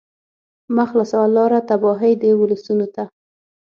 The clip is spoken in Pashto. مه خلاصوه لاره تباهۍ د ولسونو ته